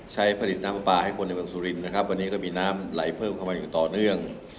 ใช้ผลิตน้ำปลาให้คนในเมืองสุรินทร์นะครับวันนี้ก็มีน้ำไหลเพิ่มเข้ามาอย่างต่อเนื่อง